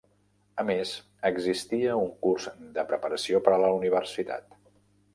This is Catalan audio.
A més, existia un curs de preparació per a la Universitat.